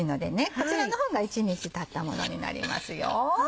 こちらの方が１日たったものになりますよ。